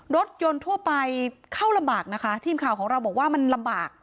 รถยนต์ทั่วไปเข้าลำบากนะคะทีมข่าวของเราบอกว่ามันลำบาก